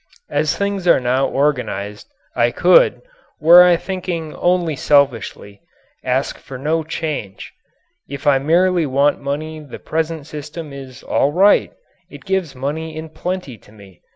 As things are now organized, I could, were I thinking only selfishly, ask for no change. If I merely want money the present system is all right; it gives money in plenty to me.